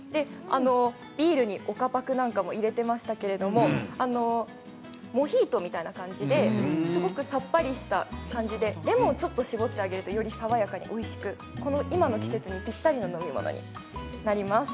ビールに岡パクなんかも入れていましたけれどもモヒートみたいな感じですごくさっぱりしてレモンをちょっと搾ってあげるとより爽やかに今の季節にぴったりの飲み物になります。